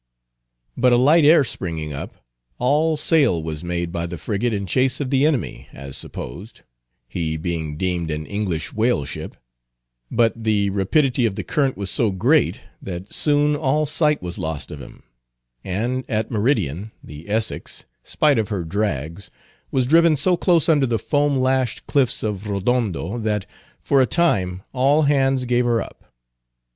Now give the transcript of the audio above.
But a light air springing up, all sail was made by the frigate in chase of the enemy, as supposed—he being deemed an English whale ship—but the rapidity of the current was so great, that soon all sight was lost of him; and, at meridian, the Essex, spite of her drags, was driven so close under the foam lashed cliffs of Rodondo that, for a time, all hands gave her up.